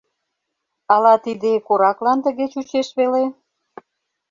Ала тиде кораклан тыге чучеш веле...